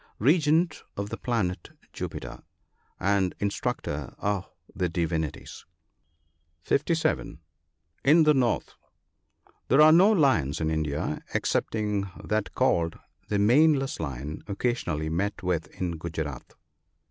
— Regent of the planet Jupiter, and In structor of the divinities. (57.) In the north. — There are no lions in India, excepting that called " the maneless lion," occasionally met with in Guzerat.